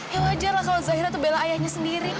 ya wajarlah kalau zahira terbela ayahnya sendiri